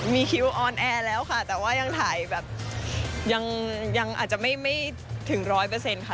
มีคิวออนแอร์แล้วค่ะแต่ว่ายังถ่ายแบบยังอาจจะไม่ถึง๑๐๐ค่ะ